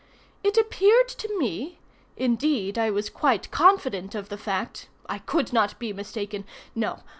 It appeared to me—indeed I was quite confident of the fact—I could not be mistaken—no!